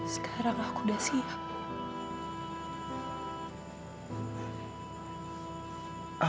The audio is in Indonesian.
sekarang aku udah siap